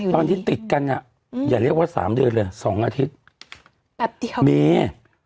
ตอนที่ติดกันอย่าเรียกว่า๓เดือนแหละแต่สองอาทิตย์